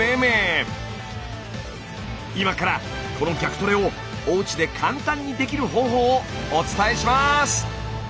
今からこの逆トレをおうちで簡単にできる方法をお伝えします！